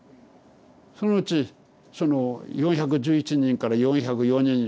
そのうちその４１１人から４０４人になった。